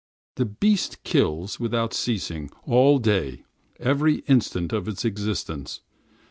The beast kills without ceasing, all day, every instant of his existence.